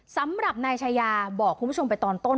สำหรับนายชายาบอกคุณผู้ชมไปตอนต้น